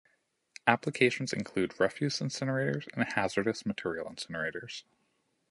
Applications include refuse incinerators and hazardous material incinerators.